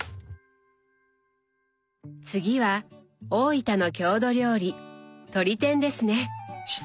次は大分の郷土料理とり天ですね！